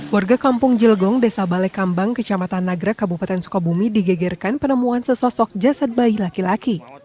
warga kampung cilgong desa balekambang kecamatan nagrek kabupaten sukabumi digegerkan penemuan sesosok jasad bayi laki laki